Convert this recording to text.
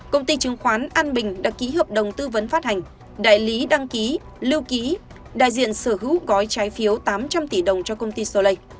công ty chứng khoán an bình đã ký hợp đồng tư vấn phát hành đại lý đăng ký lưu ký đại diện sở hữu cói trái phiếu tám trăm linh tỷ đồng cho công ty solay